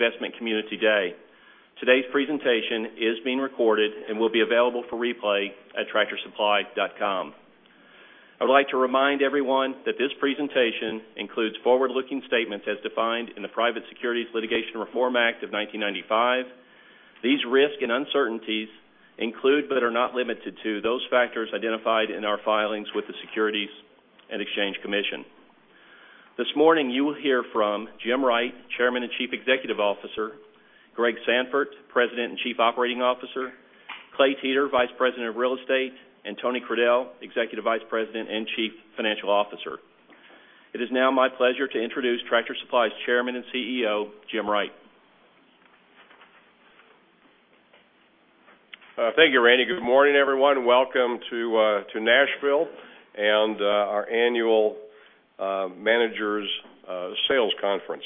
Of Investment Community Day. Today's presentation is being recorded and will be available for replay at TractorSupply.com. I would like to remind everyone that this presentation includes forward-looking statements as defined in the Private Securities Litigation Reform Act of 1995. These risks and uncertainties include, but are not limited to, those factors identified in our filings with the Securities and Exchange Commission. This morning, you will hear from Jim Wright, Chairman and Chief Executive Officer, Greg Sandfort, President and Chief Operating Officer, Clay Teter, Vice President of Real Estate, and Tony Crudele, Executive Vice President and Chief Financial Officer. It is now my pleasure to introduce Tractor Supply's Chairman and CEO, Jim Wright. Thank you, Randy. Good morning, everyone. Welcome to Nashville and our Annual Managers Sales Conference.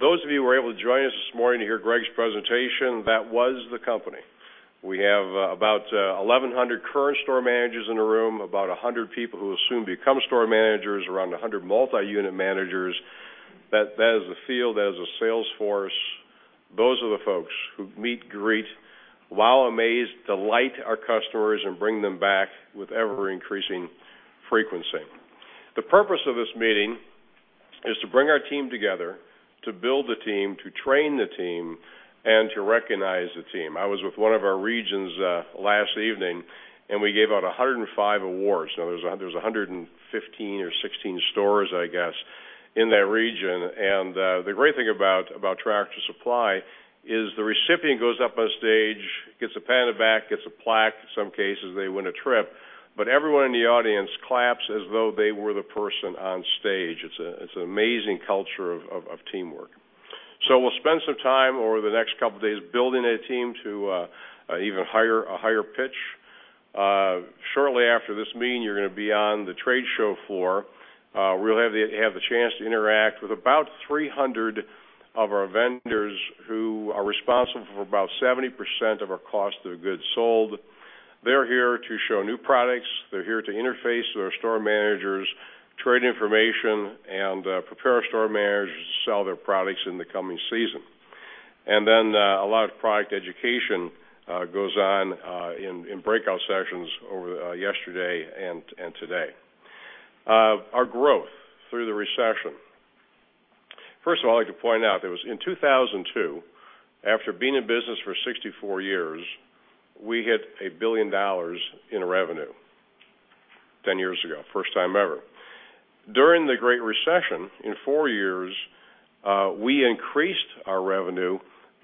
Those of you who were able to join us this morning to hear Greg's presentation, that was the company. We have about 1,100 current store managers in the room, about 100 people who will soon become store managers, around 100 multi-unit managers. That is the field, that is the sales force. Those are the folks who meet, greet, while amazed, delight our customers, and bring them back with ever-increasing frequency. The purpose of this meeting is to bring our team together, to build the team, to train the team, and to recognize the team. I was with one of our regions last evening, and we gave out 105 awards. Now, there's 115 or 116 stores, I guess, in that region. The great thing about Tractor Supply is the recipient goes up on stage, gets a pat on the back, gets a plaque. In some cases, they win a trip, but everyone in the audience claps as though they were the person on stage. It's an amazing culture of teamwork. We will spend some time over the next couple of days building a team to even hire a higher pitch. Shortly after this meeting, you're going to be on the trade show floor. We will have the chance to interact with about 300 of our vendors who are responsible for about 70% of our cost of goods sold. They're here to show new products. They're here to interface with our store managers, trade information, and prepare our store managers to sell their products in the coming season. A lot of product education goes on in breakout sessions over yesterday and today. Our growth through the recession. First of all, I'd like to point out that it was in 2002, after being in business for 64 years, we hit $1 billion in revenue 10 years ago, first time ever. During the Great Recession, in four years, we increased our revenue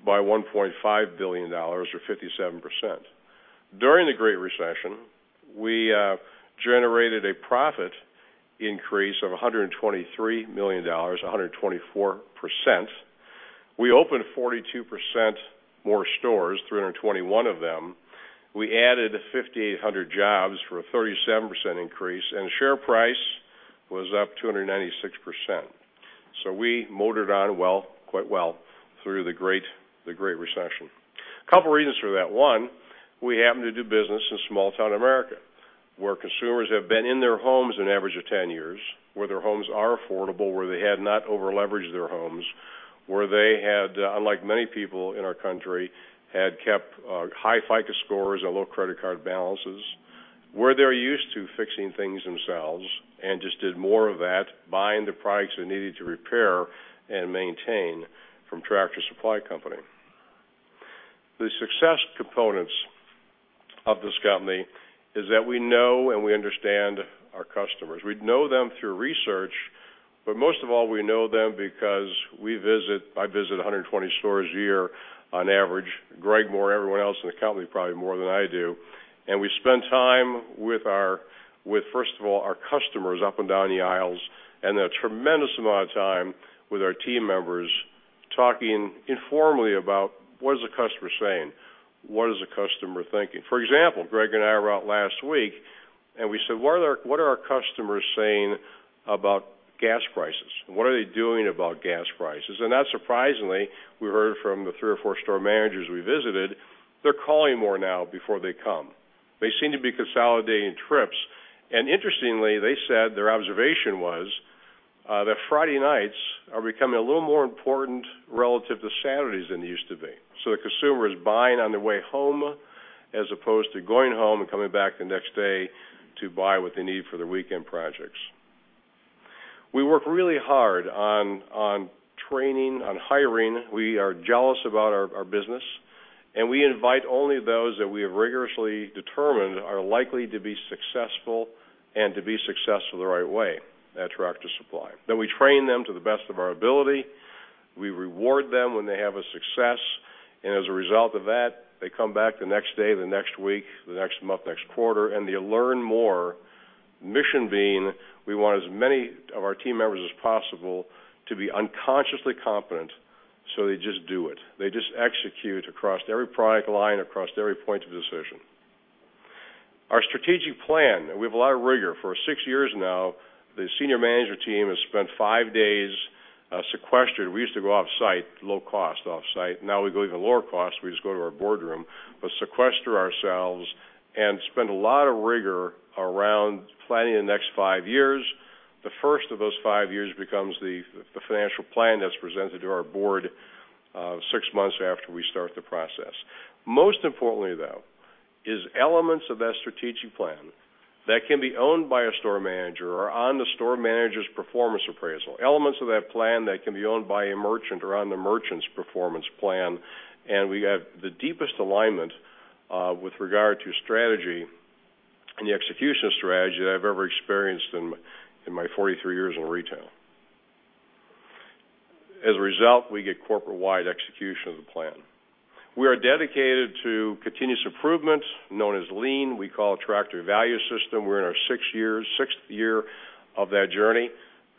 by $1.5 billion, or 57%. During the Great Recession, we generated a profit increase of $123 million, 124%. We opened 42% more stores, 321 of them. We added 5,800 jobs for a 37% increase, and share price was up 296%. We motored on well, quite well, through the Great Recession. A couple of reasons for that. One, we happen to do business in small-town America, where consumers have been in their homes an average of 10 years, where their homes are affordable, where they had not over-leveraged their homes, where they had, unlike many people in our country, had kept high FICO scores and low credit card balances, where they're used to fixing things themselves and just did more of that, buying the products they needed to repair and maintain from Tractor Supply Company. The success components of this company is that we know and we understand our customers. We know them through research, but most of all, we know them because we visit, I visit 120 stores a year on average. Greg, more, everyone else in the company probably more than I do. We spend time with our, first of all, our customers up and down the aisles, and then a tremendous amount of time with our team members talking informally about what is the customer saying, what is the customer thinking. For example, Greg and I were out last week, and we said, "What are our customers saying about gas prices? What are they doing about gas prices?" Not surprisingly, we heard from the three or four store managers we visited, they're calling more now before they come. They seem to be consolidating trips. Interestingly, they said their observation was that Friday nights are becoming a little more important relative to Saturdays than they used to be. The consumer is buying on the way home as opposed to going home and coming back the next day to buy what they need for their weekend projects. We work really hard on training, on hiring. We are jealous about our business, and we invite only those that we have rigorously determined are likely to be successful and to be successful the right way at Tractor Supply. We train them to the best of our ability. We reward them when they have a success. As a result of that, they come back the next day, the next week, the next month, next quarter, and they learn more. Mission being, we want as many of our team members as possible to be unconsciously competent, so they just do it. They just execute across every product line, across every point of decision. Our strategic plan, we have a lot of rigor. For six years now, the Senior Management Team has spent five days sequestered. We used to go off-site, low-cost off-site. Now we go even lower cost. We just go to our boardroom, but sequester ourselves and spend a lot of rigor around planning the next five years. The first of those five years becomes the financial plan that's presented to our board six months after we start the process. Most importantly, though, is elements of that strategic plan that can be owned by a store manager or on the store manager's performance appraisal. Elements of that plan that can be owned by a merchant or on the merchant's performance plan. We have the deepest alignment with regard to strategy and the execution of strategy that I've ever experienced in my 43 years in retail. As a result, we get corporate-wide execution of the plan. We are dedicated to continuous improvement, known as LEAN. We call it Tractor Value System. We're in our sixth year of that journey.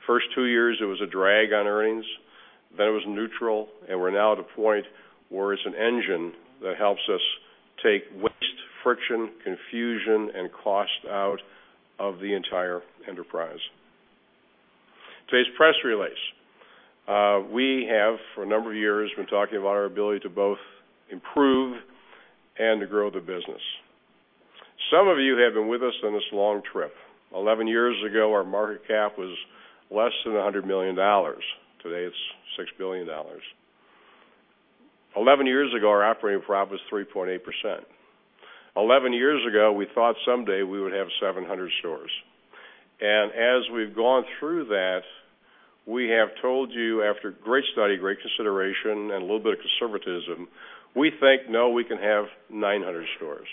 First two years, it was a drag on earnings. Then it was neutral, and we're now at a point where it's an engine that helps us take waste, friction, confusion, and cost out of the entire enterprise. Today's press release. We have, for a number of years, been talking about our ability to both improve and to grow the business. Some of you have been with us on this long trip. Eleven years ago, our market cap was less than $100 million. Today, it's $6 billion. Eleven years ago, our operating profit was 3.8%. Eleven years ago, we thought someday we would have 700 stores. As we've gone through that, we have told you, after great study, great consideration, and a little bit of conservatism, we think, no, we can have 900 stores.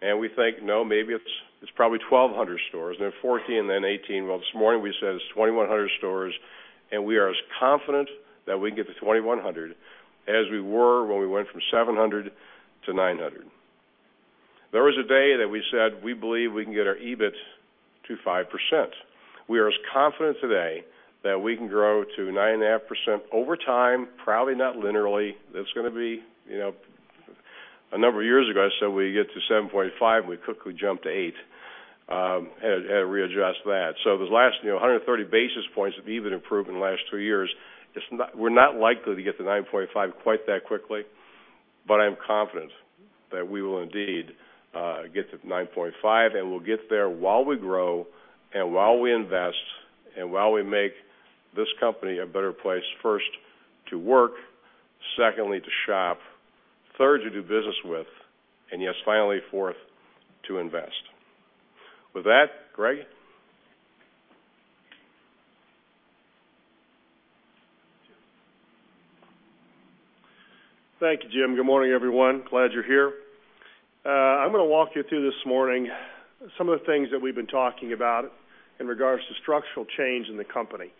We think, no, maybe it's probably 1,200 stores, and then 1,400, and then 1,800. This morning we said it's 2,100 stores, and we are as confident that we can get to 2,100 as we were when we went from 700 to 900. There was a day that we said we believe we can get our EBIT to 5%. We are as confident today that we can grow to 9.5% over time, probably not linearly. That is going to be, you know, a number of years ago, I said we get to 7.5%, and we quickly jumped to 8%. Had to readjust that. The last, you know, 130 basis points of EBIT improvement in the last two years, it's not, we're not likely to get to 9.5% quite that quickly, but I'm confident that we will indeed get to 9.5%, and we'll get there while we grow and while we invest and while we make this company a better place, first, to work, secondly, to shop, third, to do business with, and yes, finally, fourth, to invest. With that, Greg? Thank you, Jim. Good morning, everyone. Glad you're here. I'm going to walk you through this morning some of the things that we've been talking about in regards to structural change in the company.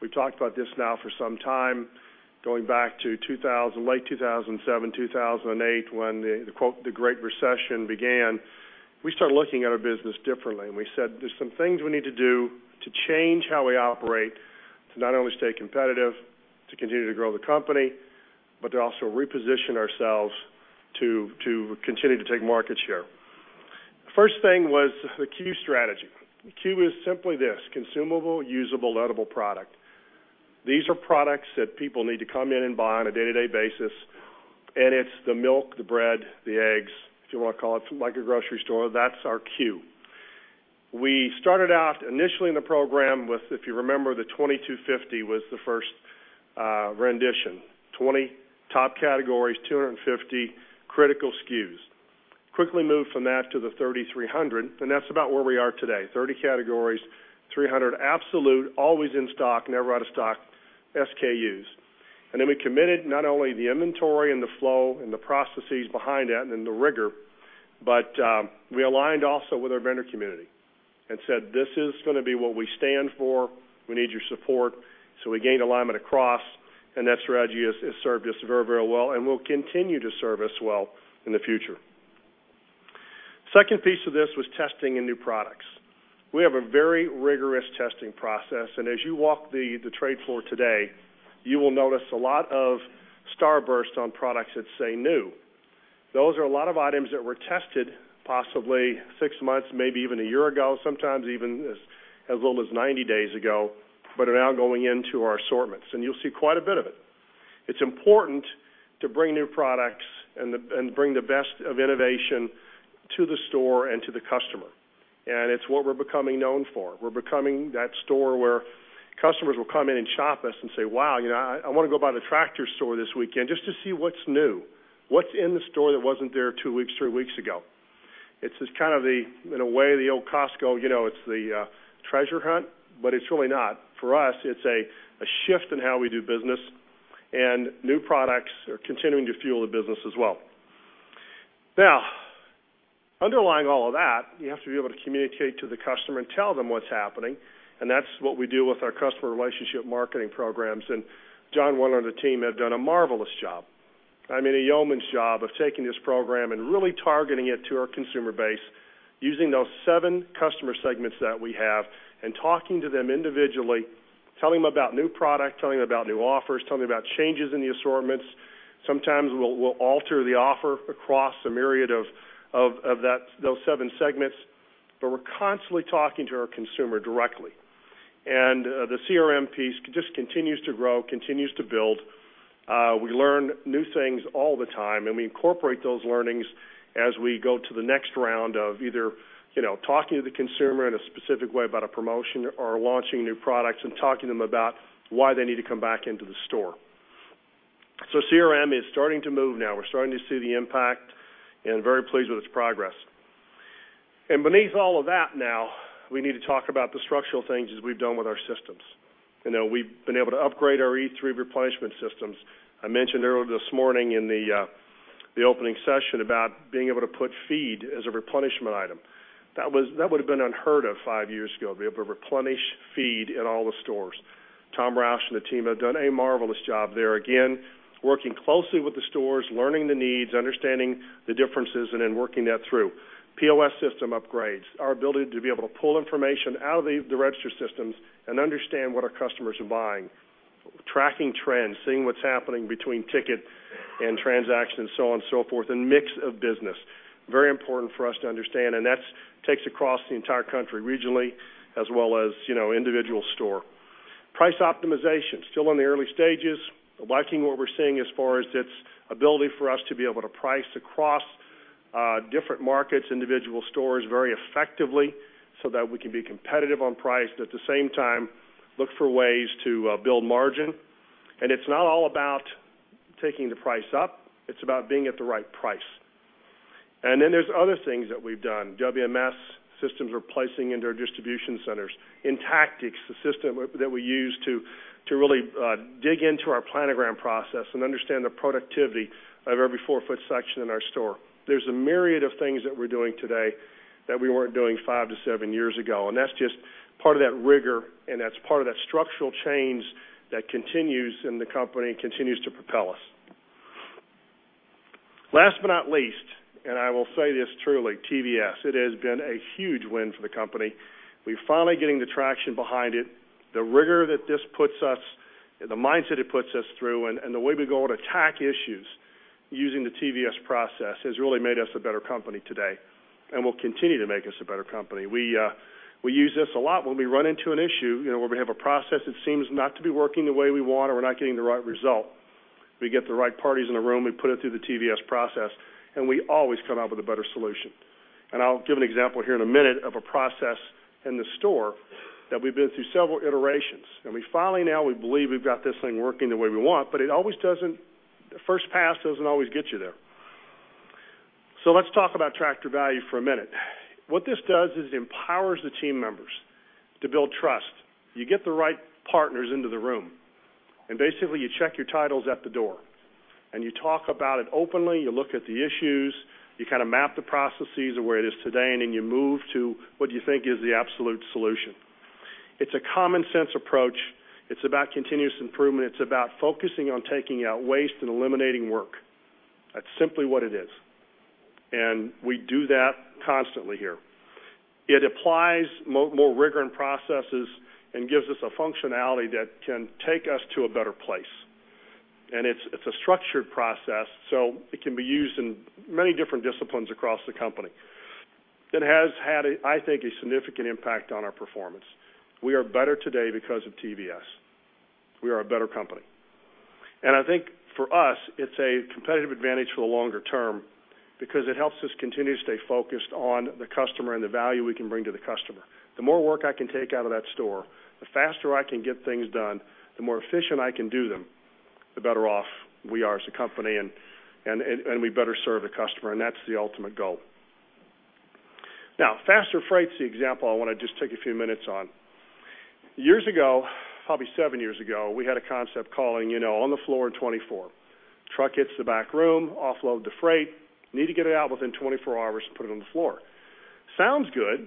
We've talked about this now for some time, going back to 2000, late 2007, 2008, when the, quote, the Great Recession began. We started looking at our business differently, and we said there's some things we need to do to change how we operate, to not only stay competitive, to continue to grow the company, but to also reposition ourselves to continue to take market share. The first thing was the Q strategy. The Q is simply this: consumable, usable, and edible product. These are products that people need to come in and buy on a day-to-day basis. It's the milk, the bread, the eggs, if you want to call it, like a grocery store. That's our Q. We started out initially in the program with, if you remember, the 2,250 was the first rendition. 20 top categories, 250 critical SKUs. Quickly moved from that to the 3,300, and that's about where we are today. 30 categories, 300 absolute, always in stock, never out of stock SKUs. We committed not only the inventory and the flow and the processes behind that and then the rigor, but we aligned also with our vendor community and said, "This is going to be what we stand for. We need your support." We gained alignment across, and that strategy has served us very, very well, and will continue to serve us well in the future. The second piece of this was testing in new products. We have a very rigorous testing process, and as you walk the trade floor today, you will notice a lot of starburst on products that say new. Those are a lot of items that were tested possibly six months, maybe even a year ago, sometimes even as little as 90 days ago, but are now going into our assortments, and you'll see quite a bit of it. It's important to bring new products and bring the best of innovation to the store and to the customer. It's what we're becoming known for. We're becoming that store where customers will come in and shop us and say, "Wow, you know I want to go by the tractor store this weekend just to see what's new. What's in the store that wasn't there two weeks, three weeks ago?" It's just kind of the, in a way, the old Costco, you know, it's the treasure hunt, but it's really not. For us, it's a shift in how we do business, and new products are continuing to fuel the business as well. Now, underlying all of that, you have to be able to communicate to the customer and tell them what's happening. That's what we do with our customer relationship marketing programs. John, one on the team, have done a marvelous job. I mean, a yeoman's job of taking this program and really targeting it to our consumer base, using those seven customer segments that we have and talking to them individually, telling them about new product, telling them about new offers, telling them about changes in the assortments. Sometimes we'll alter the offer across a myriad of those seven segments, but we're constantly talking to our consumer directly. The CRM piece just continues to grow, continues to build. We learn new things all the time, and we incorporate those learnings as we go to the next round of either, you know, talking to the consumer in a specific way about a promotion or launching new products and talking to them about why they need to come back into the store. CRM is starting to move now. We're starting to see the impact and very pleased with its progress. Beneath all of that now, we need to talk about the structural things as we've done with our systems. We've been able to upgrade our E3 replenishment systems. I mentioned earlier this morning in the opening session about being able to put feed as a replenishment item. That would have been unheard of five years ago, to be able to replenish feed in all the stores. Tom Rausch and the team have done a marvelous job there, again, working closely with the stores, learning the needs, understanding the differences, and then working that through. POS system upgrades, our ability to be able to pull information out of the register systems and understand what our customers are buying, tracking trends, seeing what's happening between ticket and transaction, and so on and so forth, and mix of business. Very important for us to understand, and that takes across the entire country, regionally, as well as, you know, individual store. Price optimization, still in the early stages, liking what we're seeing as far as its ability for us to be able to price across different markets, individual stores very effectively so that we can be competitive on price, but at the same time, look for ways to build margin. It's not all about taking the price up. It's about being at the right price. There are other things that we've done. WMS systems are placing into our distribution centers. IntactX, the system that we use to really dig into our planogram process and understand the productivity of every four-foot section in our store. There are a myriad of things that we're doing today that we weren't doing five to seven years ago. That's just part of that rigor, and that's part of that structural change that continues in the company and continues to propel us. Last but not least, and I will say this truly, TVS. It has been a huge win for the company. We're finally getting the traction behind it. The rigor that this puts us, the mindset it puts us through, and the way we go to attack issues using the TVS process has really made us a better company today and will continue to make us a better company. We use this a lot when we run into an issue, you know, where we have a process that seems not to be working the way we want or we're not getting the right result. We get the right parties in a room, we put it through the TVS process, and we always come up with a better solution. I'll give an example here in a minute of a process in the store that we've been through several iterations. We finally now, we believe we've got this thing working the way we want, but it always doesn't, the first pass doesn't always get you there. Let's talk about Tractor Value for a minute. What this does is it empowers the team members to build trust. You get the right partners into the room. Basically, you check your titles at the door. You talk about it openly. You look at the issues. You kind of map the processes of where it is today, and then you move to what you think is the absolute solution. It's a common sense approach. It's about continuous improvement. It's about focusing on taking out waste and eliminating work. That's simply what it is. We do that constantly here. It applies more rigor and processes and gives us a functionality that can take us to a better place. It's a structured process, so it can be used in many different disciplines across the company. It has had, I think, a significant impact on our performance. We are better today because of TVS. We are a better company. I think for us, it's a competitive advantage for the longer term because it helps us continue to stay focused on the customer and the value we can bring to the customer. The more work I can take out of that store, the faster I can get things done, the more efficient I can do them, the better off we are as a company and we better serve the customer. That's the ultimate goal. Now, faster freight's the example I want to just take a few minutes on. Years ago, probably seven years ago, we had a concept called, you know, on the floor in 24. Truck hits the back room, offload the freight, need to get it out within 24 hours, put it on the floor. Sounds good.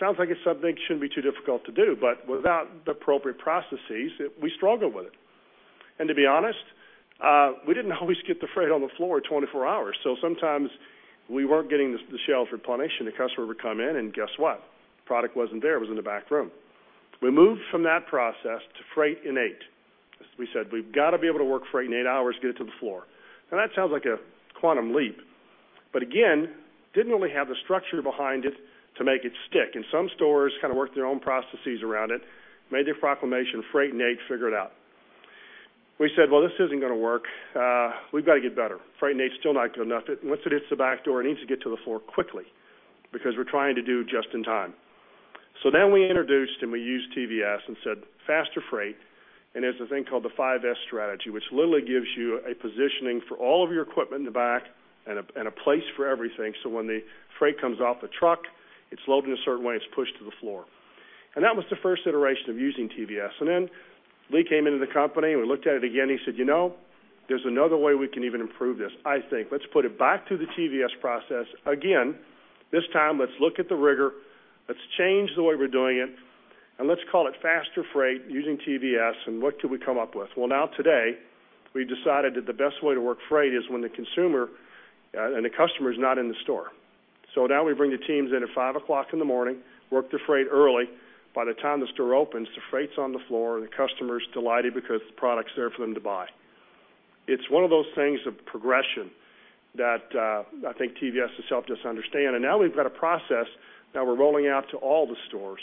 Sounds like it's something that shouldn't be too difficult to do, but without the appropriate processes, we struggled with it. To be honest, we didn't always get the freight on the floor in 24 hours. Sometimes we weren't getting the shelves replenished and the customer would come in and guess what? Product wasn't there. It was in the back room. We moved from that process to freight in eight. We said, we've got to be able to work freight in eight hours, get it to the floor. That sounds like a quantum leap. Again, didn't really have the structure behind it to make it stick. Some stores kind of worked their own processes around it, made their proclamation, freight in eight, figure it out. We said, this isn't going to work. We've got to get better. Freight in eight is still not good enough. Once it hits the back door, it needs to get to the floor quickly because we're trying to do just in time. We introduced and we used TVS and said, faster freight. There's a thing called the 5S strategy, which literally gives you a positioning for all of your equipment in the back and a place for everything. When the freight comes off the truck, it's loaded in a certain way, it's pushed to the floor. That was the first iteration of using TVS. Then Lee came into the company and we looked at it again. He said, you know, there's another way we can even improve this. I think let's put it back to the TVS process again. This time, let's look at the rigor. Let's change the way we're doing it. Let's call it faster freight using TVS. What could we come up with? Now today, we decided that the best way to work freight is when the consumer and the customer is not in the store. Now we bring the teams in at 5:00 A.M., work the freight early. By the time the store opens, the freight's on the floor and the customer's delighted because the product's there for them to buy. It's one of those things of progression that I think TVS has helped us understand. Now we've got a process that we're rolling out to all the stores.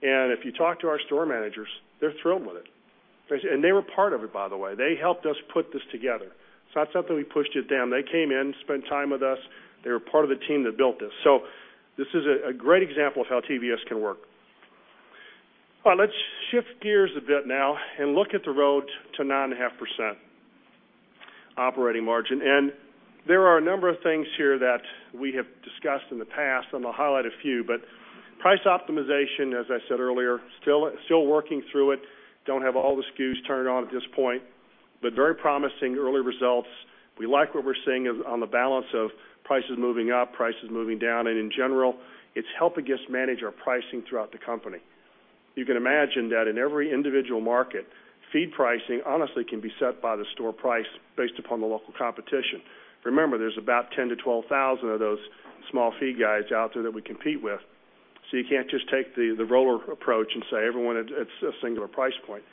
If you talk to our store managers, they're thrilled with it. They were part of it, by the way. They helped us put this together. It's not something we pushed down. They came in, spent time with us. They were part of the team that built this. This is a great example of how TVS can work. All right, let's shift gears a bit now and look at the road to 9.5% operating margin. There are a number of things here that we have discussed in the past. I'm going to highlight a few, but price optimization, as I said earlier, still working through it. Don't have all the SKUs turned on at this point, but very promising early results. We like what we're seeing on the balance of prices moving up, prices moving down, and in general, it's helping us manage our pricing throughout the company. You can imagine that in every individual market, feed pricing honestly can be set by the store price based upon the local competition. Remember, there's about 10,000-12,000 of those small feed guys out there that we compete with. You can't just take the roller approach and say everyone at a singular price point.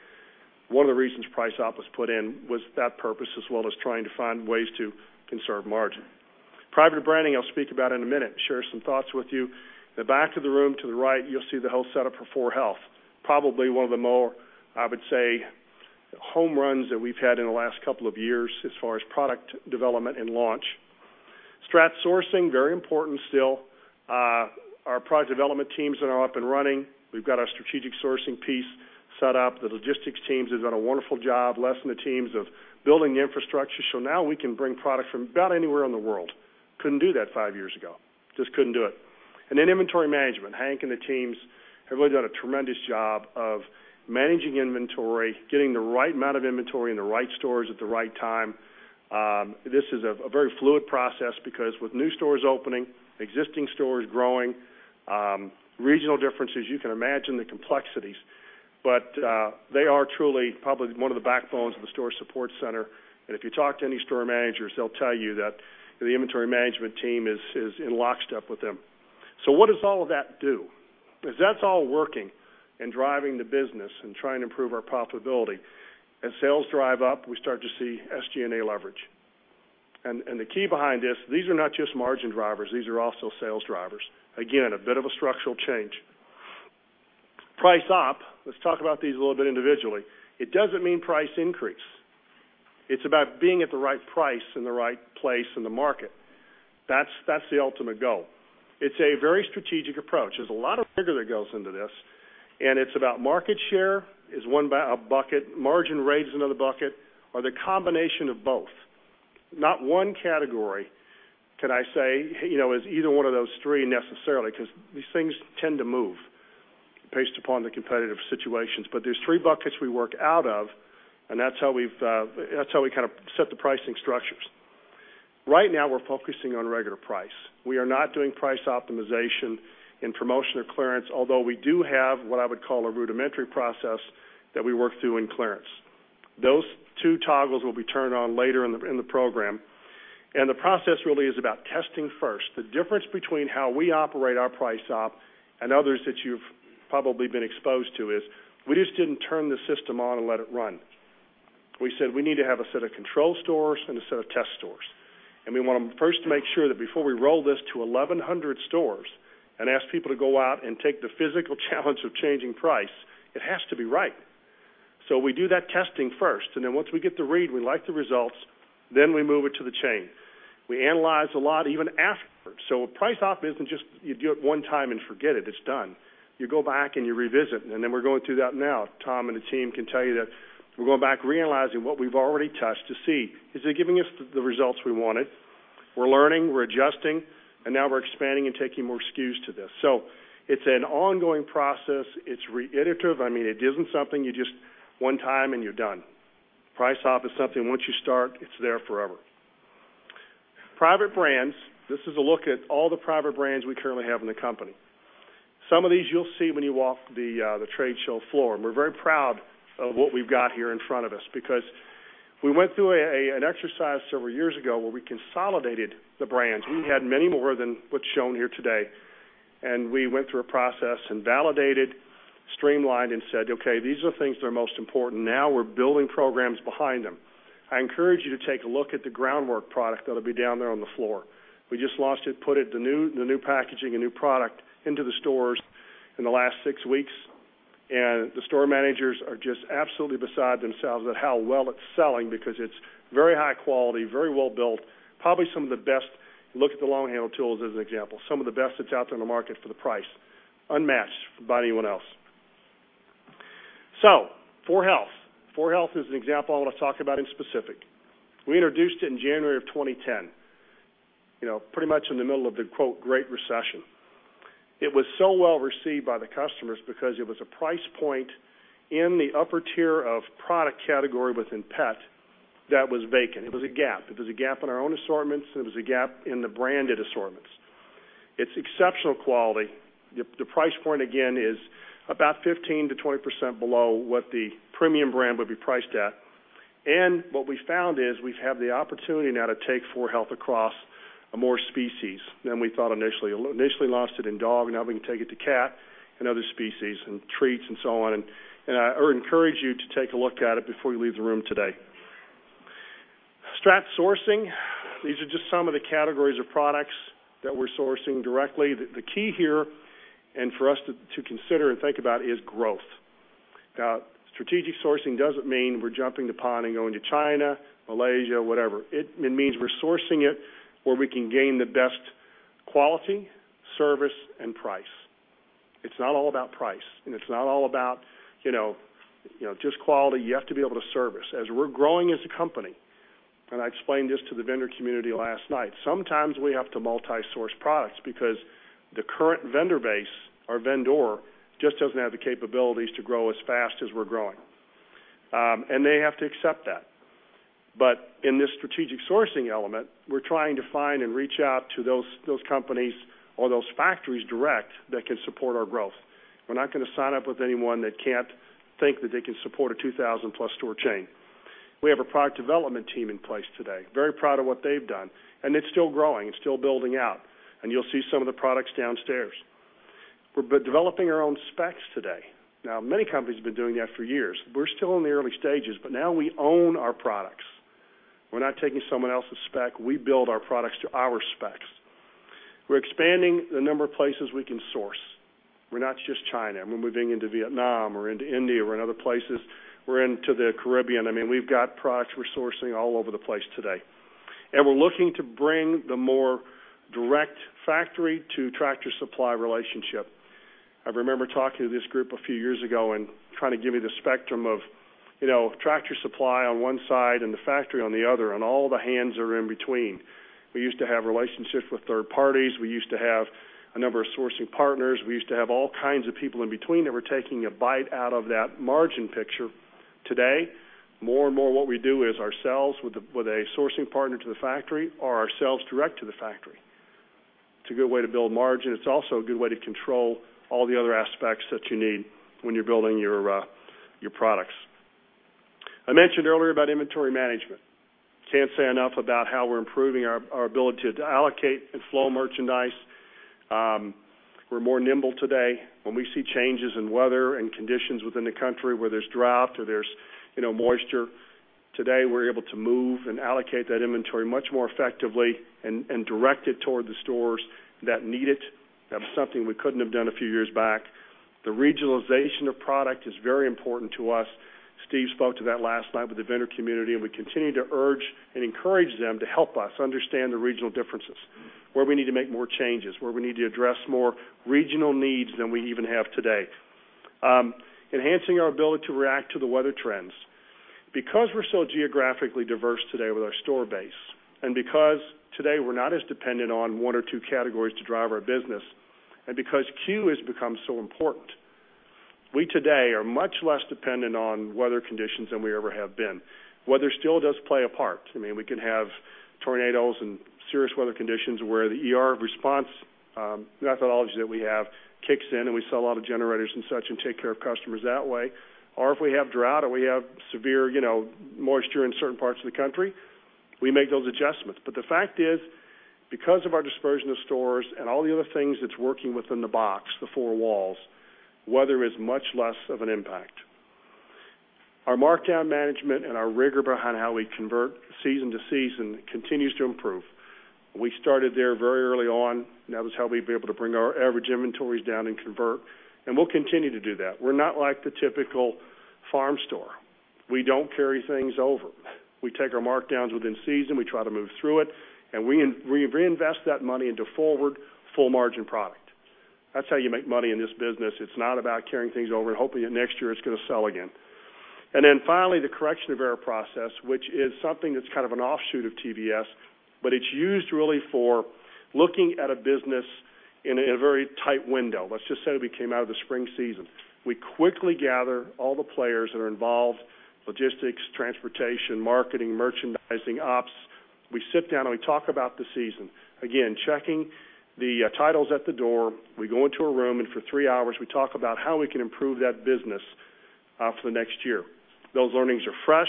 One of the reasons price op was put in was that purpose as well as trying to find ways to conserve margin. Private branding I'll speak about in a minute. Share some thoughts with you. In the back of the room to the right, you'll see the whole setup for 4health. Probably one of the more, I would say, home runs that we've had in the last couple of years as far as product development and launch. Strategic sourcing, very important still. Our product development teams that are up and running. We've got our strategic sourcing piece set up. The logistics teams have done a wonderful job, less than the teams of building the infrastructure. Now we can bring products from about anywhere in the world. Couldn't do that five years ago. Just couldn't do it. Inventory management, Hank and the teams, have really done a tremendous job of managing inventory, getting the right amount of inventory in the right stores at the right time. This is a very fluid process because with new stores opening, existing stores growing, regional differences, you can imagine the complexities. They are truly probably one of the backbones of the store support center. If you talk to any store managers, they'll tell you that the inventory management team is in lockstep with them. What does all of that do? If that's all working and driving the business and trying to improve our profitability, as sales drive up, we start to see SG&A leverage. The key behind this, these are not just margin drivers. These are also sales drivers. Again, a bit of a structural change. Price op, let's talk about these a little bit individually. It doesn't mean price increase. It's about being at the right price in the right place in the market. That's the ultimate goal. It's a very strategic approach. There's a lot of rigor that goes into this. It's about market share is one bucket, margin rate is another bucket, or the combination of both. Not one category, can I say, is either one of those three necessarily because these things tend to move based upon the competitive situations. There are three buckets we work out of, and that's how we kind of set the pricing structures. Right now, we're focusing on regular price. We are not doing price optimization in promotion or clearance, although we do have what I would call a rudimentary process that we work through in clearance. Those two toggles will be turned on later in the program. The process really is about testing first. The difference between how we operate our price op and others that you've probably been exposed to is we just didn't turn the system on and let it run. We said we need to have a set of control stores and a set of test stores. We want to first make sure that before we roll this to 1,100 stores and ask people to go out and take the physical challenge of changing price, it has to be right. We do that testing first. Once we get the read, we like the results, then we move it to the chain. We analyze a lot even afterwards. A price op isn't just you do it one time and forget it. It's done. You go back and you revisit. We're going through that now. Tom and the team can tell you that we're going back, realizing what we've already touched to see, is it giving us the results we wanted? We're learning, we're adjusting, and now we're expanding and taking more SKUs to this. It's an ongoing process. It's re-iterative. It isn't something you just one time and you're done. Price op is something once you start, it's there forever. Private brands, this is a look at all the private brands we currently have in the company. Some of these you'll see when you walk the trade show floor. We're very proud of what we've got here in front of us because we went through an exercise several years ago where we consolidated the brands. We had many more than what's shown here today. We went through a process and validated, streamlined, and said, okay, these are the things that are most important. Now we're building programs behind them. I encourage you to take a look at the Groundwork product that'll be down there on the floor. We just launched it, put the new packaging, a new product into the stores in the last six weeks. The store managers are just absolutely beside themselves at how well it's selling because it's very high quality, very well built, probably some of the best. Look at the long handle tools as an example. Some of the best that's out there in the market for the price, unmatched by anyone else. 4health. 4health is an example I want to talk about in specific. We introduced it in January of 2010, pretty much in the middle of the "Great Recession." It was so well received by the customers because it was a price point in the upper tier of product category within pet that was vacant. It was a gap. It was a gap in our own assortments, and it was a gap in the branded assortments. It's exceptional quality. The price point, again, is about 15%-20% below what the premium brand would be priced at. What we found is we've had the opportunity now to take 4health across more species than we thought initially. Initially, we launched it in dog, and now we can take it to cat and other species and treats and so on. I encourage you to take a look at it before you leave the room today. Strategic sourcing, these are just some of the categories of products that we're sourcing directly. The key here, and for us to consider and think about, is growth. Strategic sourcing doesn't mean we're jumping the pond and going to China, Malaysia, whatever. It means we're sourcing it where we can gain the best quality, service, and price. It's not all about price, and it's not all about just quality. You have to be able to service as we're growing as a company. I explained this to the vendor community last night. Sometimes we have to multi-source products because the current vendor base, our vendor, just doesn't have the capabilities to grow as fast as we're growing. They have to accept that. In this strategic sourcing element, we're trying to find and reach out to those companies or those factories direct that can support our growth. We're not going to sign up with anyone that can't think that they can support a 2,000-plus store chain. We have a product development team in place today. Very proud of what they've done. It's still growing. It's still building out. You'll see some of the products downstairs. We're developing our own specs today. Many companies have been doing that for years. We're still in the early stages, but now we own our products. We're not taking someone else's spec. We build our products to our specs. We're expanding the number of places we can source. We're not just China. We're moving into Vietnam, into India, or in other places. We're into the Caribbean. We've got products we're sourcing all over the place today. We're looking to bring the more direct factory to Tractor Supply relationship. I remember talking to this group a few years ago and trying to give me the spectrum of, you know, Tractor Supply on one side and the factory on the other, and all the hands are in between. We used to have relationships with third parties. We used to have a number of sourcing partners. We used to have all kinds of people in between that were taking a bite out of that margin picture. Today, more and more what we do is ourselves with a sourcing partner to the factory or ourselves direct to the factory. It's a good way to build margin. It's also a good way to control all the other aspects that you need when you're building your products. I mentioned earlier about inventory management. Can't say enough about how we're improving our ability to allocate and flow merchandise. We're more nimble today when we see changes in weather and conditions within the country where there's drought or there's moisture. Today, we're able to move and allocate that inventory much more effectively and direct it toward the stores that need it. That was something we couldn't have done a few years back. The regionalization of product is very important to us. Steve spoke to that last night with the vendor community, and we continue to urge and encourage them to help us understand the regional differences, where we need to make more changes, where we need to address more regional needs than we even have today. Enhancing our ability to react to the weather trends is important. Because we're so geographically diverse today with our store base, and because today we're not as dependent on one or two categories to drive our business, and because Q has become so important, we today are much less dependent on weather conditions than we ever have been. Weather still does play a part. I mean, we can have tornadoes and serious weather conditions where the response methodology that we have kicks in, and we sell a lot of generators and such and take care of customers that way. If we have drought or we have severe, you know, moisture in certain parts of the country, we make those adjustments. The fact is, because of our dispersion of stores and all the other things that's working within the box, the four walls, weather is much less of an impact. Our markdown management and our rigor behind how we convert season to season continues to improve. We started there very early on. That was how we'd be able to bring our average inventories down and convert. We'll continue to do that. We're not like the typical farm store. We don't carry things over. We take our markdowns within season. We try to move through it. We reinvest that money into forward full margin product. That's how you make money in this business. It's not about carrying things over and hoping that next year it's going to sell again. Finally, the correction of error process, which is something that's kind of an offshoot of TVS, but it's used really for looking at a business in a very tight window. Let's just say we came out of the spring season. We quickly gather all the players that are involved: logistics, transportation, marketing, merchandising, ops. We sit down and we talk about the season. Again, checking the titles at the door, we go into a room, and for three hours, we talk about how we can improve that business for the next year. Those learnings are fresh.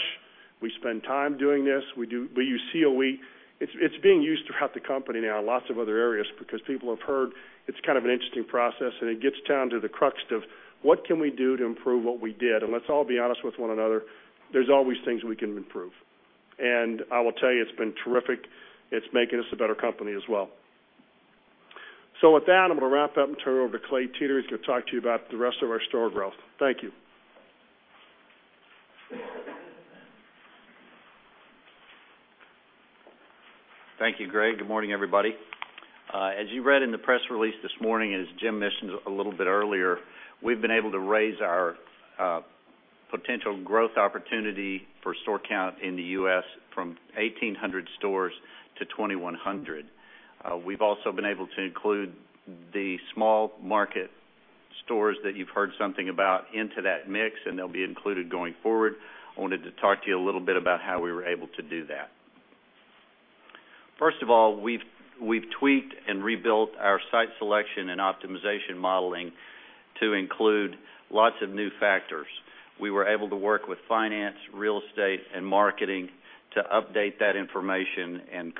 We spend time doing this. We do, we use COE. It's being used throughout the company now in lots of other areas because people have heard it's kind of an interesting process, and it gets down to the crux of what can we do to improve what we did. Let's all be honest with one another. There's always things we can improve. I will tell you, it's been terrific. It's making us a better company as well. With that, I'm going to wrap up and turn it over to Clay Teter. He's going to talk to you about the rest of our store growth. Thank you. Thank you, Greg. Good morning, everybody. As you read in the press release this morning and as Jim mentioned a little bit earlier, we've been able to raise our potential growth opportunity for store count in the U.S. from 1,800 stores to 2,100. We've also been able to include the small market stores that you've heard something about into that mix, and they'll be included going forward. I wanted to talk to you a little bit about how we were able to do that. First of all, we've tweaked and rebuilt our site selection and optimization modeling to include lots of new factors. We were able to work with Finance, Real Estate, and Marketing to update that information and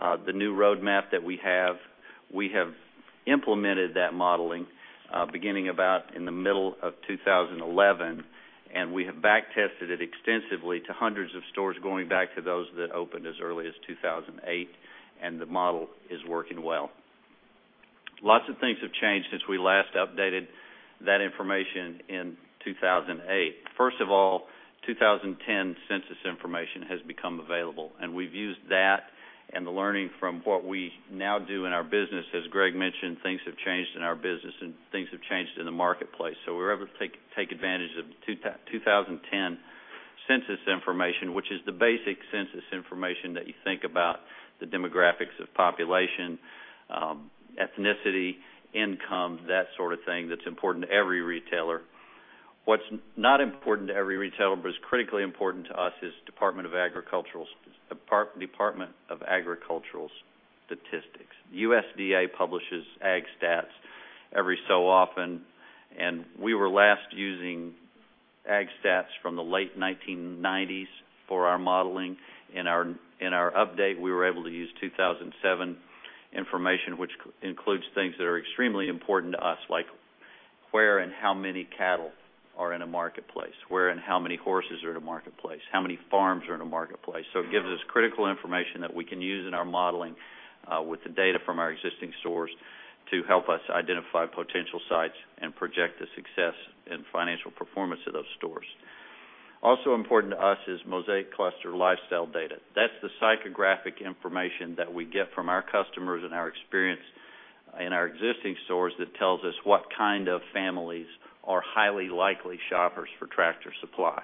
create the new roadmap that we have. We have implemented that modeling beginning about in the middle of 2011, and we have backtested it extensively to hundreds of stores going back to those that opened as early as 2008, and the model is working well. Lots of things have changed since we last updated that information in 2008. First of all, 2010 census information has become available, and we've used that and the learning from what we now do in our business. As Greg mentioned, things have changed in our business, and things have changed in the marketplace. We're able to take advantage of the 2010 census information, which is the basic census information that you think about, the demographics of population, ethnicity, income, that sort of thing that's important to every retailer. What's not important to every retailer, but is critically important to us, is Department of Agricultural Statistics. The USDA publishes AgStats every so often, and we were last using AgStats from the late 1990s for our modeling. In our update, we were able to use 2007 information, which includes things that are extremely important to us, like where and how many cattle are in a marketplace, where and how many horses are in a marketplace, how many farms are in a marketplace. It gives us critical information that we can use in our modeling with the data from our existing stores to help us identify potential sites and project the success and financial performance of those stores. Also important to us is mosaic cluster lifestyle data. That's the psychographic information that we get from our customers and our experience in our existing stores that tells us what kind of families are highly likely shoppers for Tractor Supply.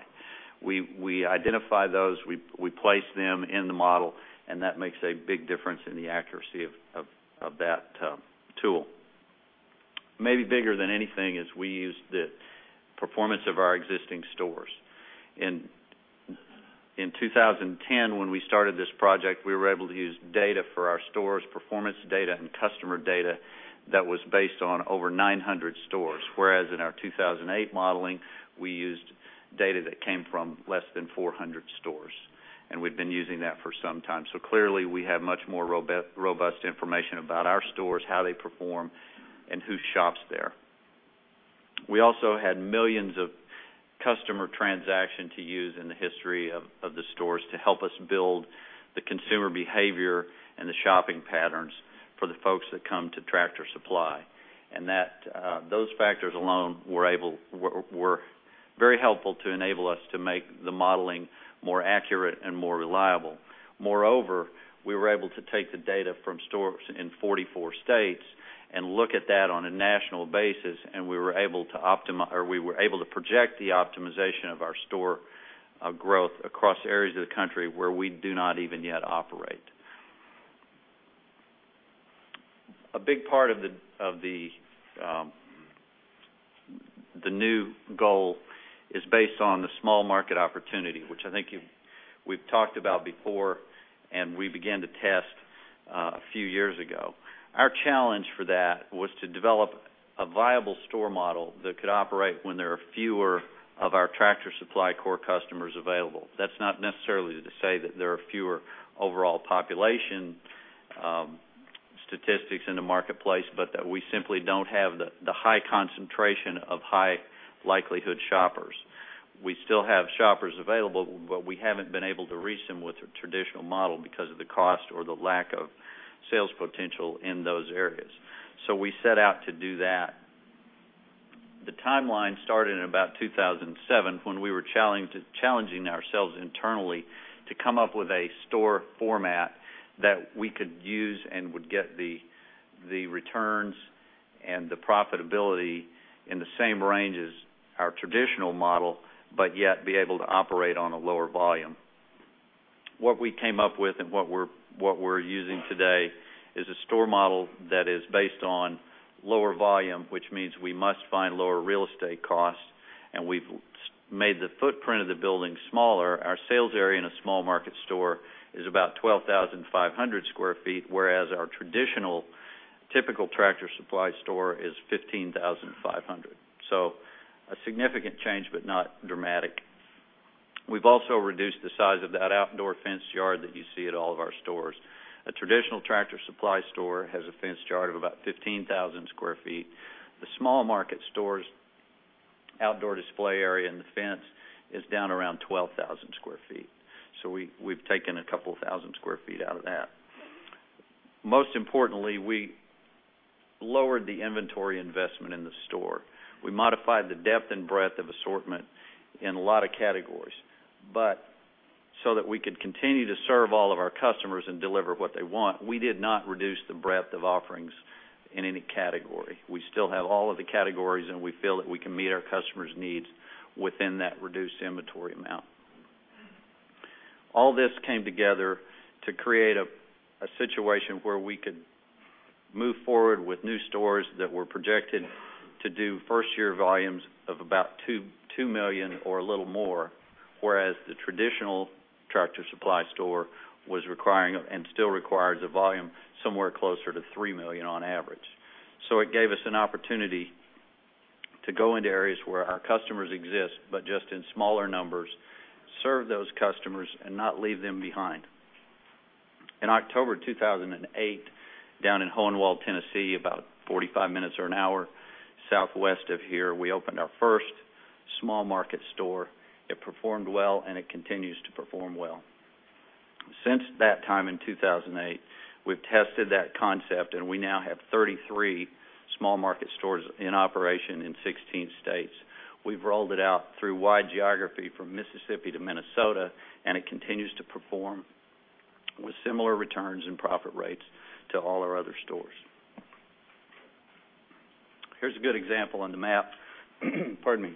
We identify those, we place them in the model, and that makes a big difference in the accuracy of that tool. Maybe bigger than anything is we use the performance of our existing stores. In 2010, when we started this project, we were able to use data for our stores, performance data, and customer data that was based on over 900 stores, whereas in our 2008 modeling, we used data that came from less than 400 stores. We've been using that for some time. Clearly, we have much more robust information about our stores, how they perform, and who shops there. We also had millions of customer transactions to use in the history of the stores to help us build the consumer behavior and the shopping patterns for the folks that come to Tractor Supply. Those factors alone were very helpful to enable us to make the modeling more accurate and more reliable. Moreover, we were able to take the data from stores in 44 states and look at that on a national basis, and we were able to project the optimization of our store growth across areas of the country where we do not even yet operate. A big part of the new goal is based on the small market opportunity, which I think we've talked about before, and we began to test a few years ago. Our challenge for that was to develop a viable store model that could operate when there are fewer of our Tractor Supply core customers available. That's not necessarily to say that there are fewer overall population statistics in the marketplace, but that we simply don't have the high concentration of high likelihood shoppers. We still have shoppers available, but we haven't been able to reach them with a traditional model because of the cost or the lack of sales potential in those areas. We set out to do that. The timeline started in about 2007 when we were challenging ourselves internally to come up with a store format that we could use and would get the returns and the profitability in the same range as our traditional model, but yet be able to operate on a lower volume. What we came up with and what we're using today is a store model that is based on lower volume, which means we must find lower real estate costs, and we've made the footprint of the building smaller. Our sales area in a small market store is about 12,500 square feet, whereas our traditional typical Tractor Supply store is 15,500. A significant change, but not dramatic. We've also reduced the size of that outdoor fenced yard that you see at all of our stores. A traditional Tractor Supply store has a fenced yard of about 15,000 square feet. The small market store's outdoor display area in the fence is down around 12,000 square feet. We have taken a couple thousand square feet out of that. Most importantly, we lowered the inventory investment in the store. We modified the depth and breadth of assortment in a lot of categories. In order to continue to serve all of our customers and deliver what they want, we did not reduce the breadth of offerings in any category. We still have all of the categories, and we feel that we can meet our customers' needs within that reduced inventory amount. All this came together to create a situation where we could move forward with new stores that were projected to do first-year volumes of about $2 million or a little more, whereas the traditional Tractor Supply store was requiring and still requires a volume somewhere closer to $3 million on average. It gave us an opportunity to go into areas where our customers exist, but just in smaller numbers, serve those customers, and not leave them behind. In October 2008, down in Hohenwald, Tennessee, about 45 minutes or an hour southwest of here, we opened our first small market store. It performed well, and it continues to perform well. Since that time in 2008, we have tested that concept, and we now have 33 small market stores in operation in 16 states. We have rolled it out through wide geography from Mississippi to Minnesota, and it continues to perform with similar returns and profit rates to all our other stores. Here is a good example on the map, pardon me,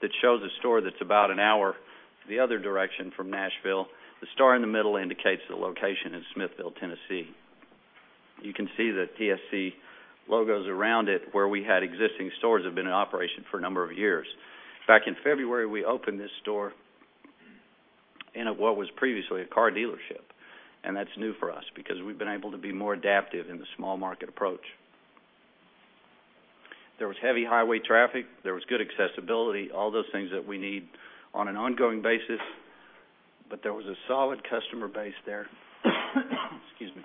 that shows a store that is about an hour the other direction from Nashville. The star in the middle indicates the location in Smithville, Tennessee. You can see the TSC logos around it where we had existing stores that have been in operation for a number of years. Back in February, we opened this store in what was previously a car dealership. That is new for us because we have been able to be more adaptive in the small market approach. There was heavy highway traffic. There was good accessibility, all those things that we need on an ongoing basis. There was a solid customer base there, excuse me,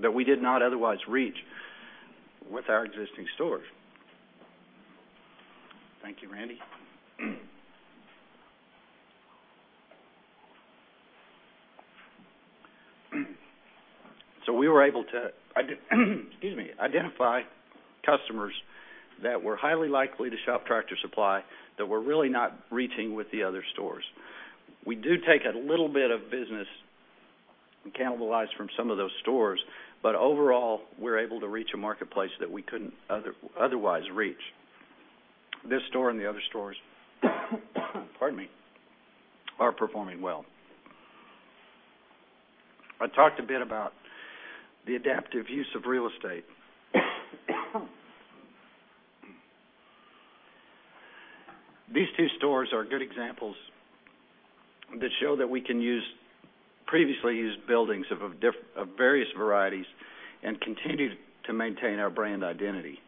that we did not otherwise reach with our existing stores. Thank you, Randy. We were able to, excuse me, identify customers that were highly likely to shop Tractor Supply that we were really not reaching with the other stores. We do take a little bit of business and cannibalize from some of those stores, but overall, we're able to reach a marketplace that we couldn't otherwise reach. This store and the other stores are performing well. I talked a bit about the adaptive use of real estate. These two stores are good examples that show that we can use previously used buildings of various varieties and continue to maintain our brand identity.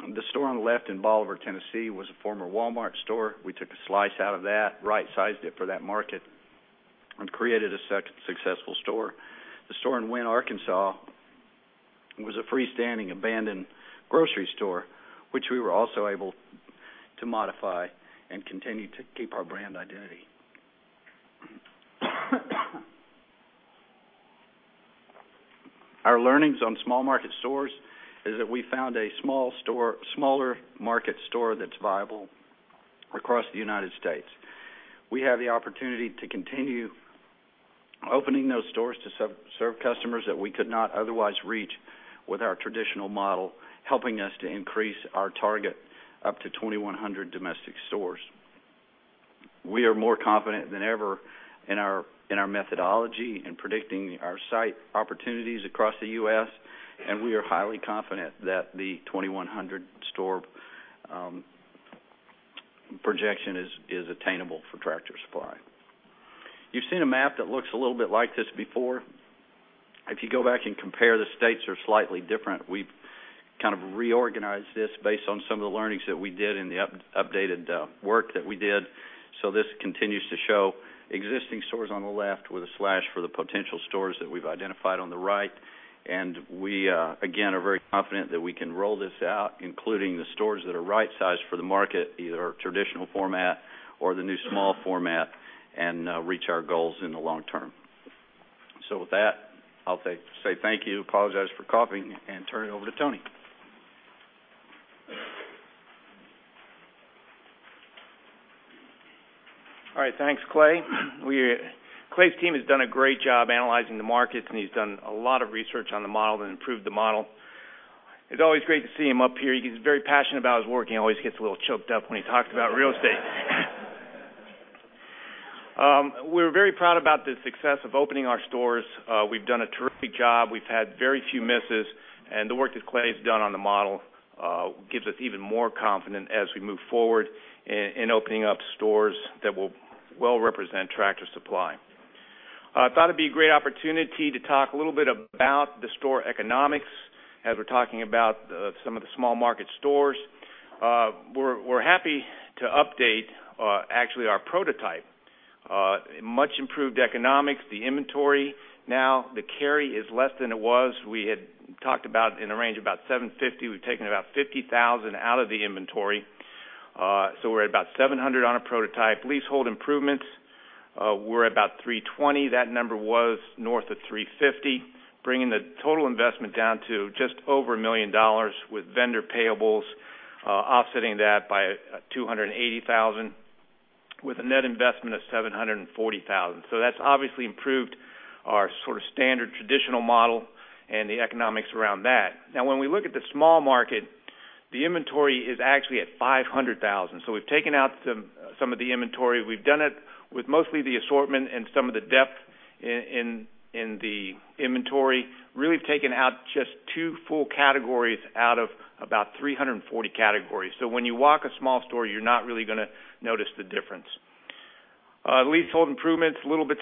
The store on the left in Bolivar, Tennessee, was a former Walmart store. We took a slice out of that, right-sized it for that market, and created a successful store. The store in Wynne, Arkansas, was a freestanding abandoned grocery store, which we were also able to modify and continue to keep our brand identity. Our learnings on small market stores is that we found a small store, smaller market store that's viable across the United States. We have the opportunity to continue opening those stores to serve customers that we could not otherwise reach with our traditional model, helping us to increase our target up to 2,100 domestic stores. We are more confident than ever in our methodology and predicting our site opportunities across the U.S., and we are highly confident that the 2,100 store projection is attainable for Tractor Supply. You've seen a map that looks a little bit like this before. If you go back and compare the states that are slightly different, we've kind of reorganized this based on some of the learnings that we did in the updated work that we did. This continues to show existing stores on the left with a slash for the potential stores that we've identified on the right. We, again, are very confident that we can roll this out, including the stores that are right-sized for the market, either our traditional format or the new small format, and reach our goals in the long term. With that, I'll say thank you, apologize for coughing, and turn it over to Tony. All right. Thanks, Clay. Clay's team has done a great job analyzing the markets, and he's done a lot of research on the model and improved the model. It's always great to see him up here. He's very passionate about his work. He always gets a little choked up when he talked about real estate. We're very proud about the success of opening our stores. We've done a terrific job. We've had very few misses, and the work that Clay's done on the model gives us even more confidence as we move forward in opening up stores that will well represent Tractor Supply. I thought it'd be a great opportunity to talk a little bit about the store economics as we're talking about some of the small market stores. We're happy to update actually our prototype. Much improved economics, the inventory now, the carry is less than it was. We had talked about in a range of about $750,000. We've taken about $50,000 out of the inventory. So we're at about $700,000 on a prototype. Leasehold improvements, we're at about $320,000. That number was north of $350,000, bringing the total investment down to just over $1 million with vendor payables, offsetting that by $280,000 with a net investment of $740,000. That's obviously improved our sort of standard traditional model and the economics around that. Now, when we look at the small market, the inventory is actually at $500,000. We've taken out some of the inventory. We've done it with mostly the assortment and some of the depth in the inventory. Really taken out just two full categories out of about 340 categories. When you walk a small store, you're not really going to notice the difference. Leasehold improvements a little bit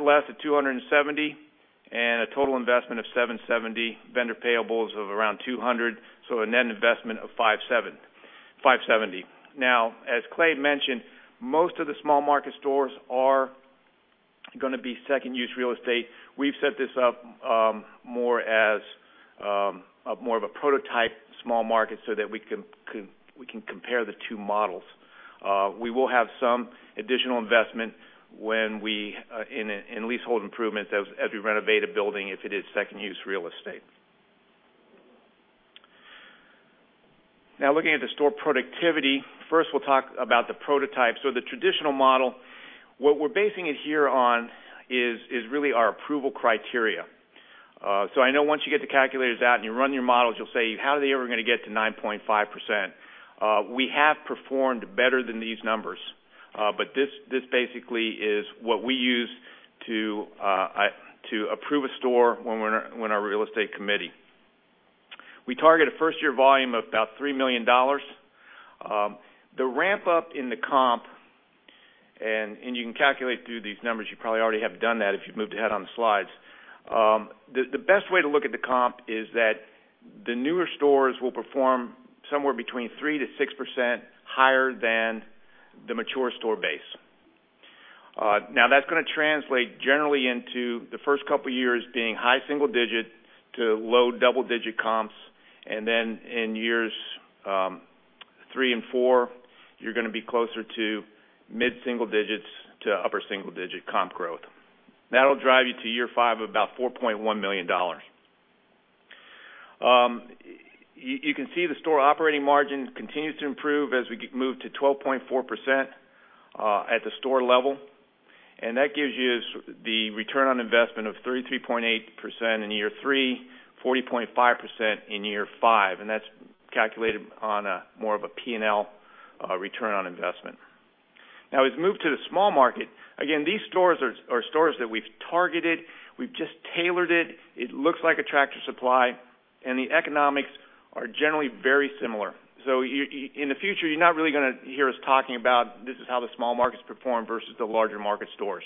less at $270,000 and a total investment of $770,000, vendor payables of around $200,000, so a net investment of $570,000. Now, as Clay mentioned, most of the small market stores are going to be second-use real estate. We've set this up more as more of a prototype small market so that we can compare the two models. We will have some additional investment in leasehold improvements as we renovate a building if it is second-use real estate. Now, looking at the store productivity, first we'll talk about the prototype. The traditional model, what we're basing it here on is really our approval criteria. I know once you get the calculators out and you run your models, you'll say, "How are they ever going to get to 9.5%?" We have performed better than these numbers, but this basically is what we use to approve a store when we're in our Real Estate Committee. We target a first-year volume of about $3 million. The ramp-up in the comp, and you can calculate through these numbers. You probably already have done that if you've moved ahead on the slides. The best way to look at the comp is that the newer stores will perform somewhere between 3%-6% higher than the mature store base. That is going to translate generally into the first couple of years being high single-digit to low double-digit comps, and then in years three and four, you're going to be closer to mid-single digits to upper single-digit comp growth. That will drive you to year five of about $4.1 million. You can see the store operating margin continues to improve as we move to 12.4% at the store level. That gives you the return on investment of 33.8% in year three, 40.5% in year five. That is calculated on more of a P&L return on investment. As we move to the small market, again, these stores are stores that we've targeted. We've just tailored it. It looks like a Tractor Supply, and the economics are generally very similar. In the future, you're not really going to hear us talking about this is how the small markets perform versus the larger market stores.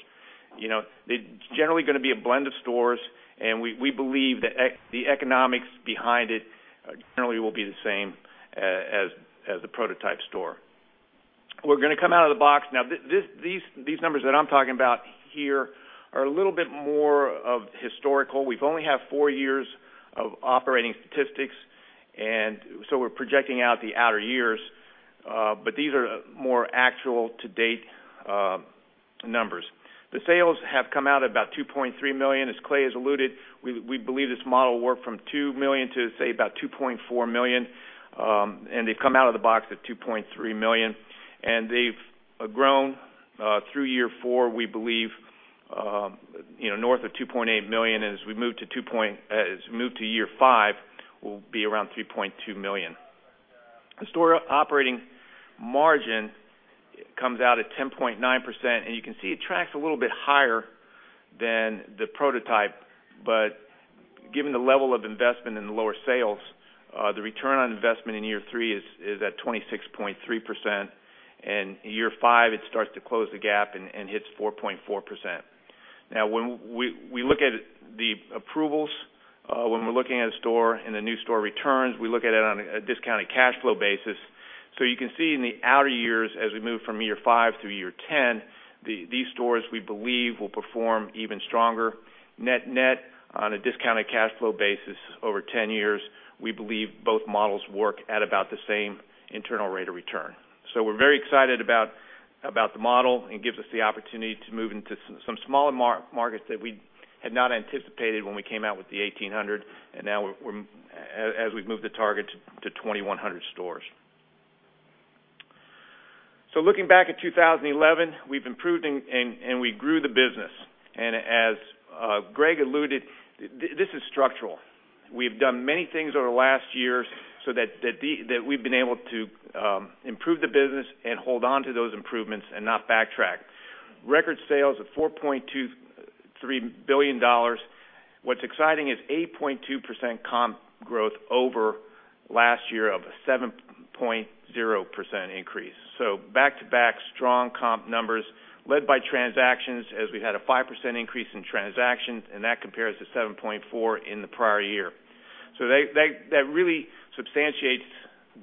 They're generally going to be a blend of stores, and we believe that the economics behind it generally will be the same as the prototype store. We're going to come out of the box. These numbers that I'm talking about here are a little bit more historical. We've only had four years of operating statistics, and so we're projecting out the outer years, but these are more actual to-date numbers. The sales have come out at about $2.3 million, as Clay has alluded. We believe this model worked from $2 million to, say, about $2.4 million, and they've come out of the box at $2.3 million. They've grown through year four, we believe, north of $2.8 million. As we move to year five, we'll be around $3.2 million. The store operating margin comes out at 10.9%, and you can see it tracks a little bit higher than the prototype, but given the level of investment in the lower sales, the return on investment in year three is at 26.3%. In year five, it starts to close the gap and hits 4.4%. Now, when we look at the approvals, when we're looking at a store and the new store returns, we look at it on a discounted cash flow basis. You can see in the outer years, as we move from year five through year ten, these stores we believe will perform even stronger. Net-net on a discounted cash flow basis over 10 years, we believe both models work at about the same internal rate of return. We're very excited about the model and it gives us the opportunity to move into some smaller markets that we had not anticipated when we came out with the 1,800. Now, as we've moved the target to 2,100 stores. Looking back at 2011, we've improved and we grew the business. As Greg alluded, this is structural. We've done many things over the last years so that we've been able to improve the business and hold on to those improvements and not backtrack. Record sales of $4.23 billion. What's exciting is 8.2% comp growth over last year of a 7.0% increase. Back-to-back strong comp numbers led by transactions, as we've had a 5% increase in transactions, and that compares to 7.4% in the prior year. That really substantiates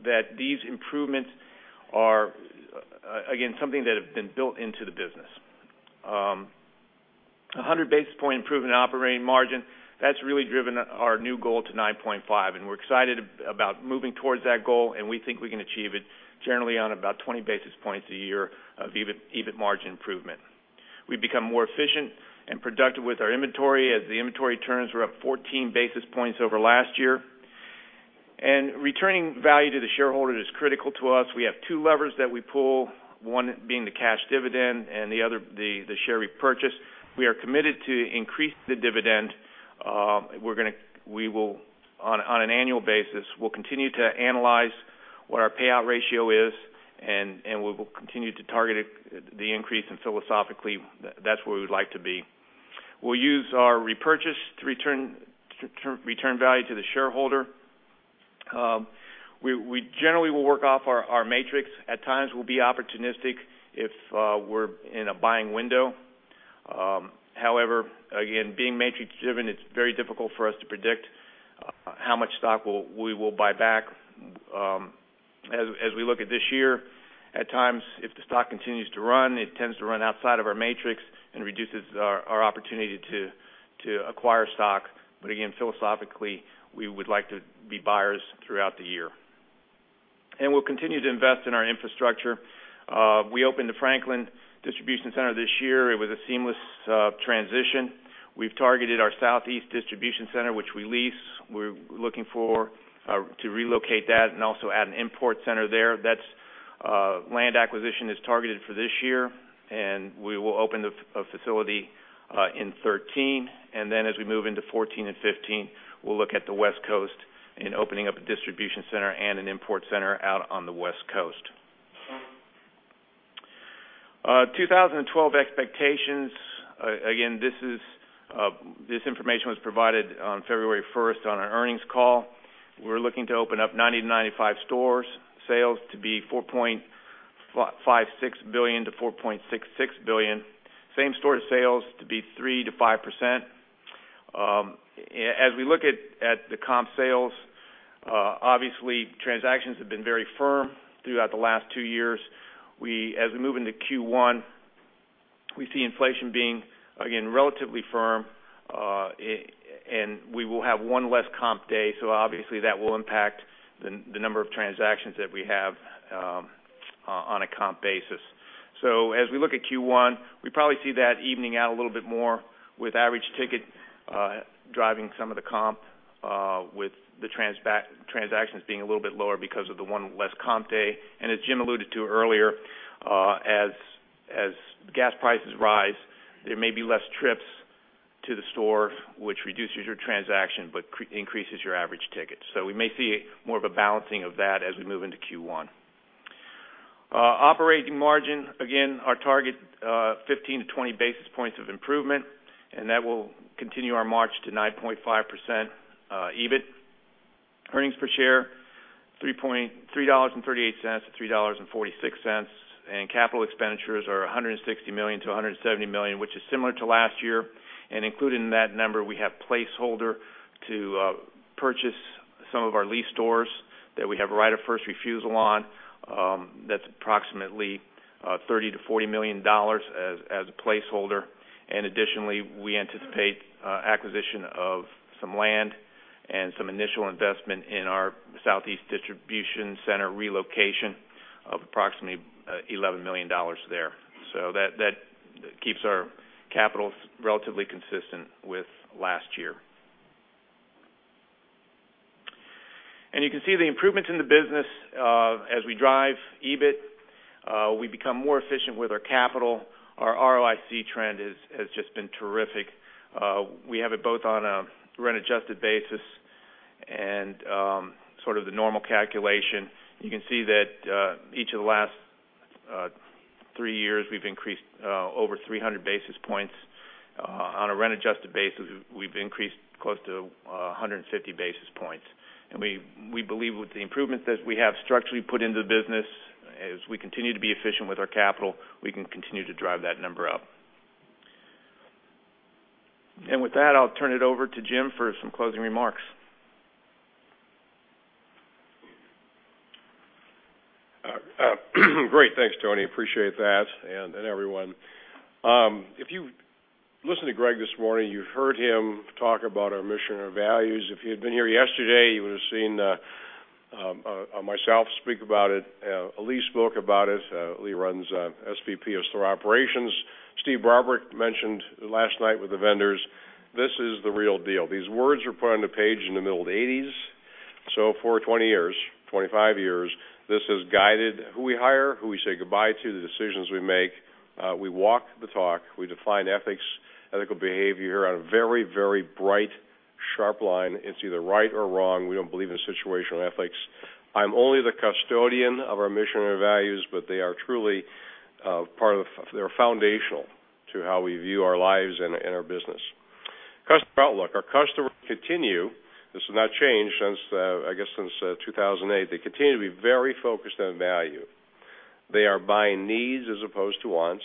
that these improvements are, again, something that has been built into the business. 100 basis point improvement in operating margin, that's really driven our new goal to 9.5%, and we're excited about moving towards that goal, and we think we can achieve it generally on about 20 basis points a year of EBIT margin improvement. We've become more efficient and productive with our inventory as the inventory turns were up 14 basis points over last year. Returning value to the shareholders is critical to us. We have two levers that we pull, one being the cash dividend and the other the share repurchase. We are committed to increase the dividend. We're going to, we will, on an annual basis, continue to analyze what our payout ratio is, and we will continue to target the increase and philosophically, that's where we would like to be. We'll use our repurchase to return value to the shareholder. We generally will work off our matrix. At times, we'll be opportunistic if we're in a buying window. However, again, being matrix-driven, it's very difficult for us to predict how much stock we will buy back. As we look at this year, at times, if the stock continues to run, it tends to run outside of our matrix and reduces our opportunity to acquire stock. Again, philosophically, we would like to be buyers throughout the year. We will continue to invest in our infrastructure. We opened the Franklin Distribution Center this year. It was a seamless transition. We have targeted our Southeast Distribution Center, which we lease. We are looking to relocate that and also add an import center there. That land acquisition is targeted for this year, and we will open a facility in 2013. As we move into 2014 and 2015, we will look at the West Coast in opening up a distribution center and an import center out on the West Coast. 2012 expectations. This information was provided on February 1st on an earnings call. We are looking to open up 90-95 stores, sales to be $4.56 billion-$4.66 billion. Same-store sales to be 3%-5%. As we look at the comp sales, transactions have been very firm throughout the last two years. As we move into Q1, we see inflation being, again, relatively firm, and we will have one less comp day. That will impact the number of transactions that we have on a comp basis. As we look at Q1, we probably see that evening out a little bit more with average ticket driving some of the comp with the transactions being a little bit lower because of the one less comp day. As Jim alluded to earlier, as gas prices rise, there may be less trips to the store, which reduces your transaction but increases your average ticket. We may see more of a balancing of that as we move into Q1. Operating margin, our target is 15-20 basis points of improvement, and that will continue our march to 9.5% EBIT. Earnings per share, $3.38-$3.46, and capital expenditures are $160 million-$170 million, which is similar to last year. Included in that number, we have a placeholder to purchase some of our lease stores that we have right of first refusal on. That is approximately $30 million-$40 million as a placeholder. Additionally, we anticipate acquisition of some land and some initial investment in our Southeast Distribution Center relocation of approximately $11 million there. That keeps our capital relatively consistent with last year. You can see the improvements in the business as we drive EBIT. We become more efficient with our capital. Our ROIC trend has just been terrific. We have it both on a rent-adjusted basis and the normal calculation. You can see that each of the last three years, we have increased over 300 basis points. On a rent-adjusted basis, we have increased close to 150 basis points. We believe with the improvements that we have structurally put into the business, as we continue to be efficient with our capital, we can continue to drive that number up. With that, I'll turn it over to Jim for some closing remarks. Great. Thanks, Tony. Appreciate that and everyone. If you listened to Greg this morning, you've heard him talk about our mission and our values. If he had been here yesterday, you would have seen myself speak about it. Lee spoke about it. Lee runs SVP of Store Operations. Steve Barbarick mentioned last night with the vendors, this is the real deal. These words were put on the page in the middle of the 1980s. For 20 years, 25 years, this has guided who we hire, who we say goodbye to, the decisions we make. We walk the talk. We define ethics, ethical behavior on a very, very bright, sharp line. It's either right or wrong. We don't believe in situational ethics. I'm only the custodian of our mission and values, but they are truly part of the foundational to how we view our lives and our business. Customer outlook. Our customers continue, this has not changed since, I guess, since 2008. They continue to be very focused on value. They are buying needs as opposed to wants,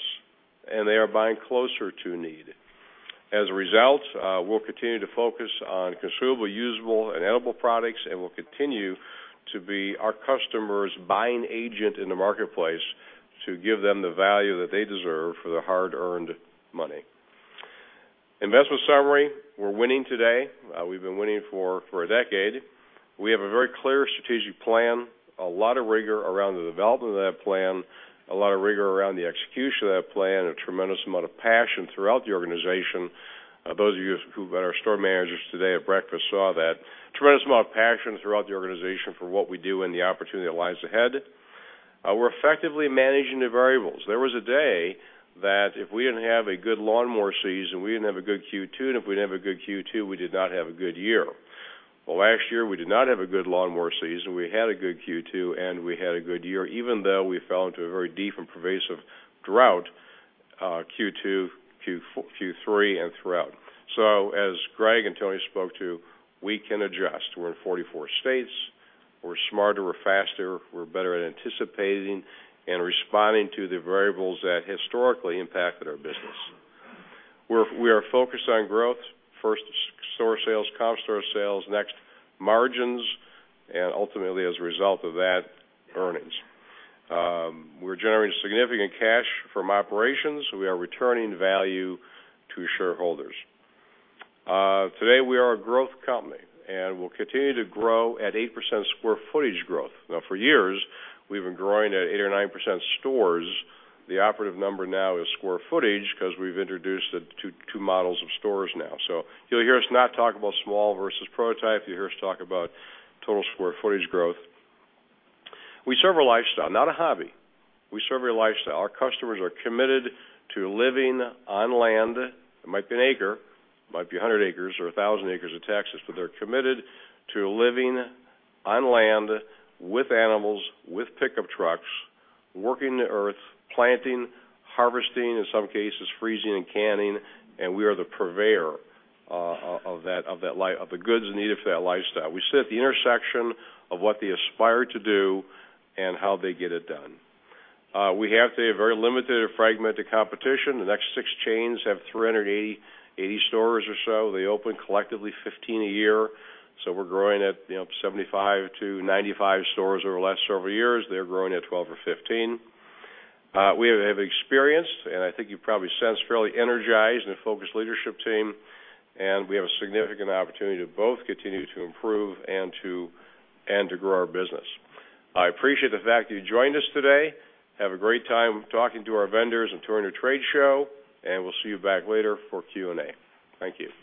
and they are buying closer to need. As a result, we'll continue to focus on consumable, usable, and edible products, and we'll continue to be our customer's buying agent in the marketplace to give them the value that they deserve for the hard-earned money. Investment summary, we're winning today. We've been winning for a decade. We have a very clear strategic plan, a lot of rigor around the development of that plan, a lot of rigor around the execution of that plan, and a tremendous amount of passion throughout the organization. Those of you who've been our store managers today at breakfast saw that. Tremendous amount of passion throughout the organization for what we do and the opportunity that lies ahead. We're effectively managing the variables. There was a day that if we didn't have a good lawnmower season, we didn't have a good Q2, and if we didn't have a good Q2, we did not have a good year. Last year, we did not have a good lawnmower season. We had a good Q2, and we had a good year, even though we fell into a very deep and pervasive drought Q2, Q3, and throughout. As Greg and Tony spoke to, we can adjust. We're in 44 states. We're smarter. We're faster. We're better at anticipating and responding to the variables that historically impacted our business. We are focused on growth. First, store sales, comp store sales. Next, margins, and ultimately, as a result of that, earnings. We're generating significant cash from operations. We are returning value to shareholders. Today, we are a growth company, and we'll continue to grow at 8% square footage growth. Now, for years, we've been growing at 8% or 9% stores. The operative number now is square footage because we've introduced the two models of stores now. You'll hear us not talk about small versus prototype. You'll hear us talk about total square footage growth. We serve a lifestyle, not a hobby. We serve your lifestyle. Our customers are committed to living on land. It might be an acre. It might be 100 acres or 1,000 acres of Texas, but they're committed to living on land with animals, with pickup trucks, working the earth, planting, harvesting, in some cases, freezing and canning, and we are the purveyor of the goods needed for that lifestyle. We sit at the intersection of what they aspire to do and how they get it done. We have to have very limited or fragmented competition. The next six chains have 380 stores or so. They open collectively 15 a year. We're growing at 75-95 stores over the last several years. They're growing at 12 or 15. We have experienced, and I think you've probably sensed, fairly energized and focused leadership team, and we have a significant opportunity to both continue to improve and to grow our business. I appreciate the fact that you joined us today. Have a great time talking to our vendors and touring your trade show, and we'll see you back later for Q&A. Thank you.